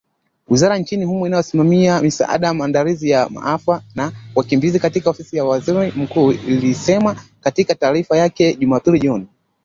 Wizara nchini humo inayosimamia misaada, maandalizi ya maafa na wakimbizi katika Ofisi ya Waziri Mkuu ilisema katika taarifa yake Jumapili jioni.